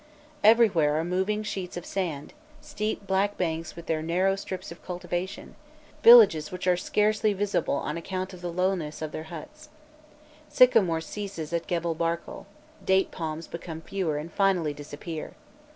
Everywhere are moving sheets of sand, steep black banks with their narrow strips of cultivation, villages which are scarcely visible on account of the lowness of their huts sycamore ceases at Gebel Barkal, date palms become fewer and finally disappear.